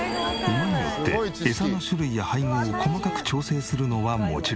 馬によってエサの種類や配合を細かく調整するのはもちろん。